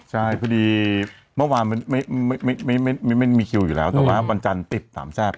ใช่พอดีเมื่อวานไม่มีคิวอยู่แล้วแต่ว่าวันจันทร์ติดสามแซ่บ